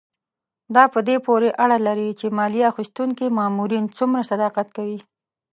دا په دې پورې اړه لري چې مالیه اخیستونکي مامورین څومره صداقت کوي.